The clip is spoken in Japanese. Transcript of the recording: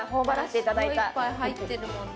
すごいいっぱい入ってるもんね